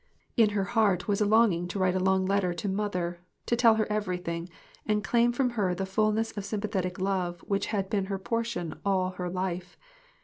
In her heart was a longing to write a long letter to " mother," to tell her everything, and claim from her the fullness of sympathetic love which had been her portion all her life.